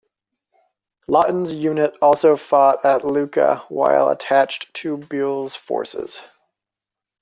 Lawton's unit also fought at Iuka while attached to Buell's forces.